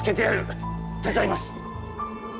手伝います！